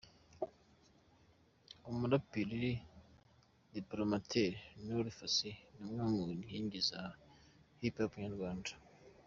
Umuraperi Diplomate Nuur Fasasi, ni umwe mu nkingi za hip hop nyarwanda.